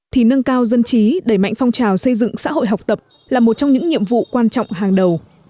thì nâng cao dân trí đẩy mạnh phong trào xây dựng xã hội học tập là một trong những nhiệm vụ quan trọng hàng đầu